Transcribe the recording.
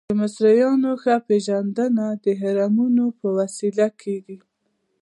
د مصریانو ښه پیژندنه د هرمونو په وسیله کیږي.